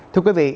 thưa quý vị